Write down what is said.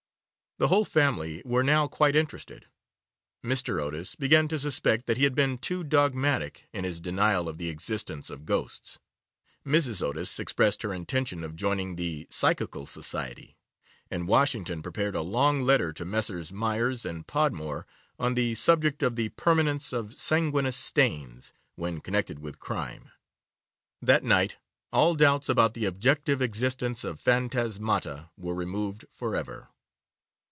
The whole family were now quite interested; Mr. Otis began to suspect that he had been too dogmatic in his denial of the existence of ghosts, Mrs. Otis expressed her intention of joining the Psychical Society, and Washington prepared a long letter to Messrs. Myers and Podmore on the subject of the Permanence of Sanguineous Stains when connected with Crime. That night all doubts about the objective existence of phantasmata were removed for ever.